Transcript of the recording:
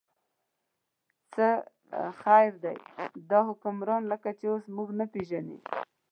څه خیر دی، دا حکمران لکه چې اوس موږ نه پرېږدي.